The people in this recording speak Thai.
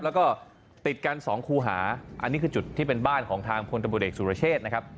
แล้วก็ติดกันสองคูหาอันนี้คือจุดที่เป็นบ้านของทางพลตำรวจเอกสุรเชษนะครับ